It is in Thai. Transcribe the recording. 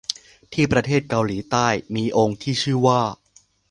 ที่ประเทศเกาหลีใต้มีองค์ที่ชื่อว่า